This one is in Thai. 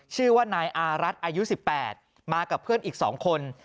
ชื่อว่านายอารัฐอายุ๑๘มากับเพื่อนอีก๒คน